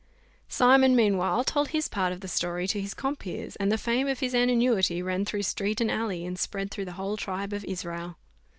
Simon, meanwhile, told his part of the story to his compeers, and the fame of his annuity ran through street and alley, and spread through the whole tribe of Israel.